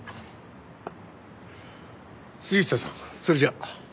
それじゃ。